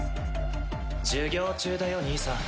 授業中だよ兄さん。